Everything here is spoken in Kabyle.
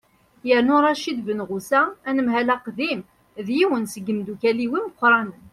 yernu racid benɣusa anemhal aqdim d yiwen seg yimeddukkal-iw imeqqranen